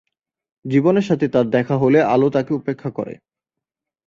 জীবনের সাথে তার দেখা হলে আলো তাকে উপেক্ষা করে।